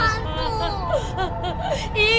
aami itu namanya hantu